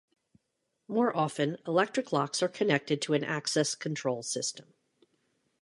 More often electric locks are connected to an access control system.